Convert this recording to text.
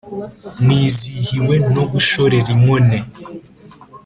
Nizihiwe no gushorera inkone